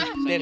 ya marah aja